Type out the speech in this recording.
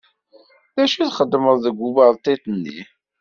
D acu txeddmeḍ deg uberṭiṭ-nni?